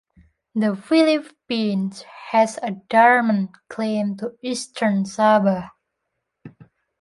The Philippines has a dormant claim to eastern Sabah.